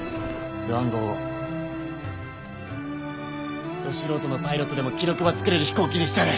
スワン号をど素人のパイロットでも記録ば作れる飛行機にしちゃる。